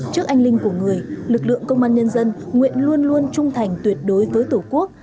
trước anh linh của người lực lượng công an nhân dân nguyện luôn luôn trung thành tuyệt đối với tổ quốc